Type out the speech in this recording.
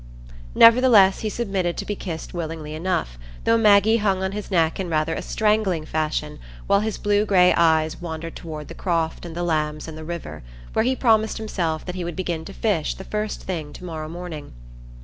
Nevertheless he submitted to be kissed willingly enough, though Maggie hung on his neck in rather a strangling fashion, while his blue gray eyes wandered toward the croft and the lambs and the river, where he promised himself that he would begin to fish the first thing to morrow morning.